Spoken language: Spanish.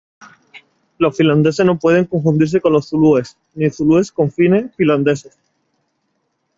Los finlandeses no pueden confundirse con los zulúes, ni zulúes con fines finlandeses.